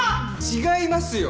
違いますよ！